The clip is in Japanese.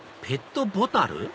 ペットボタル？